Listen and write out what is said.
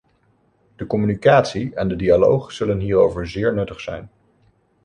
De communicatie en de dialoog zullen hiervoor zeer nuttig zijn.